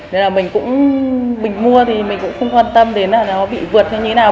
nên là mình cũng mình mua thì mình cũng không quan tâm đến là nó bị vượt như thế nào